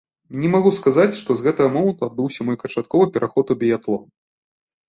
Не магу сказаць, што з гэтага моманту адбыўся мой канчатковы пераход у біятлон.